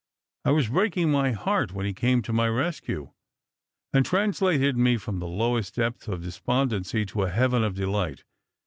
I was breaking my heart when he came to my rescue, and translated me from the lowest depths of despondency to a heaven of delight.